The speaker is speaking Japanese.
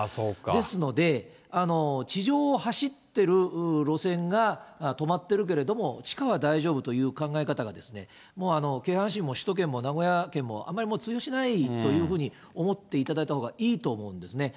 ですので、地上を走ってる路線が、止まってるけれども、地下は大丈夫という考え方が、もう京阪神も首都圏も名古屋圏もあまり通用しないというふうに思っていただいたほうがいいと思うんですね。